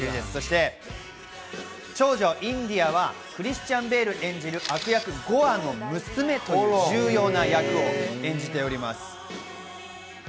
そして長女・インディアはクリスチャン・ベール演じる、悪役・ゴアの娘という重要な役を演じております。